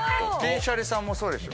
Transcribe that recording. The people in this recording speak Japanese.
銀シャリさんもそうですよ。